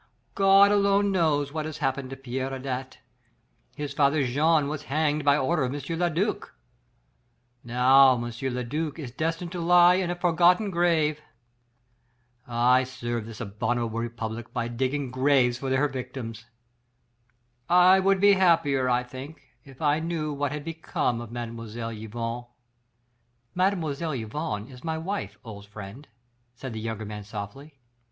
God alone knows what has happened to Pierre Adet. His father Jean was hanged by order of M. le duc. Now M. le duc is destined to lie in a forgotten grave. I serve this abominable Republic by digging graves for her victims. I would be happier, I think, if I knew what had become of Mlle. Yvonne." "Mlle. Yvonne is my wife, old friend," said the younger man softly.